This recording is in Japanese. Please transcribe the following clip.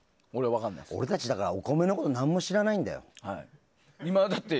俺たち、お米のこと何も知らないんだよ。